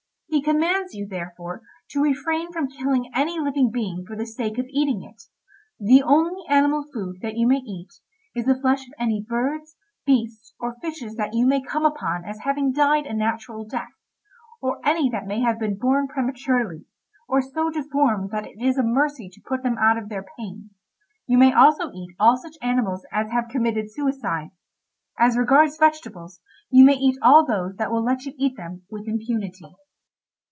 He commands you, therefore, to refrain from killing any living being for the sake of eating it. The only animal food that you may eat, is the flesh of any birds, beasts, or fishes that you may come upon as having died a natural death, or any that may have been born prematurely, or so deformed that it is a mercy to put them out of their pain; you may also eat all such animals as have committed suicide. As regards vegetables you may eat all those that will let you eat them with impunity."